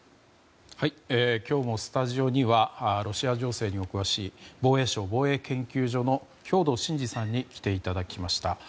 今日もスタジオにはロシア情勢にお詳しい防衛省防衛研究所の兵頭慎治さんに来ていただきました。